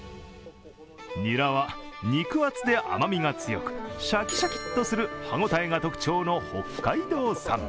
ニラは肉厚で甘みがつよくシャキシャキっとする歯応えが特徴の北海道産。